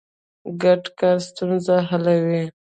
ګډ کار ستونزې حلوي.